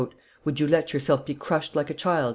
"Would you let yourself be crushed like a child?"